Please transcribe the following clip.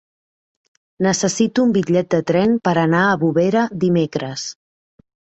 Necessito un bitllet de tren per anar a Bovera dimecres.